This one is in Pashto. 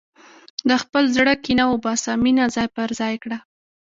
د خپل زړه کینه وباسه، مینه ځای پر ځای کړه.